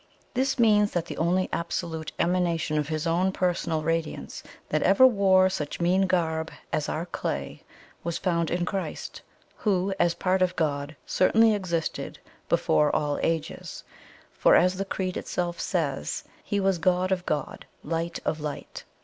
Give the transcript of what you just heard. This means that the only absolute Emanation of His own PERSONAL Radiance that ever wore such mean garb as our clay was found in Christ who, as part of God, certainly existed 'BEFORE ALL AGES.' For as the Creed itself says, He was 'God of God, LIGHT OF LIGHT.